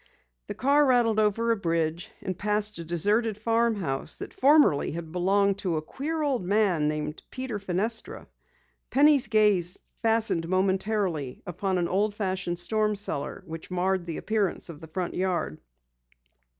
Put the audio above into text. The car rattled over a bridge and passed a deserted farm house that formerly had belonged to a queer old man named Peter Fenestra. Penny's gaze fastened momentarily upon an old fashioned storm cellar which marred the appearance of the front yard.